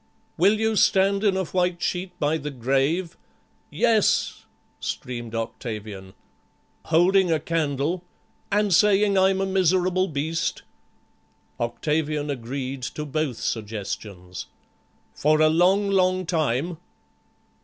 "Will you stand in a white sheet by the grave?" "Yes," screamed Octavian. "Holding a candle?" "An' saying 'I'm a miserable Beast'?" Octavian agreed to both suggestions. "For a long, long time?"